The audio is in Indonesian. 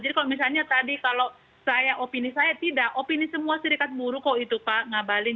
jadi kalau misalnya tadi kalau saya opini saya tidak opini semua sirikat buruh kok itu pak ngabalin